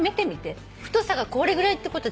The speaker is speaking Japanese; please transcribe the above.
太さがこれぐらいってこと。